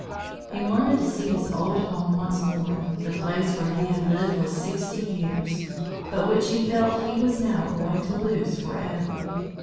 He wanted to see his old home once more, the place where he had lived for sixty years, but which he felt he was now going to lose forever.